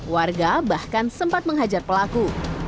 warga bahkan sempat menghajar pelaku